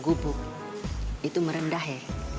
gubuk itu merendah ya